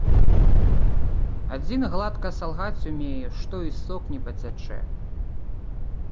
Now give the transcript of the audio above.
Адзін гладка салгаць умее, што і сок не пацячэ.